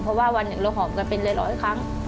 เพราะว่าวันหนึ่งเราหอบกันเป็นร้อยครั้ง